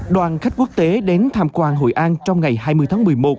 đoàn khách quốc tế đến tham quan hội an trong ngày hai mươi tháng một mươi một